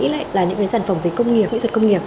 lại là những sản phẩm về công nghiệp nghệ thuật công nghiệp